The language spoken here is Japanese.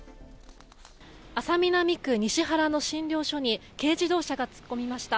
安佐南区西原の診療所に軽自動車が突っ込みました。